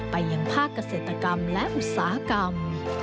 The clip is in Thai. ไปยังภาคเกษตรกรรมและอุตสาหกรรม